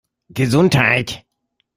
Gesundheit!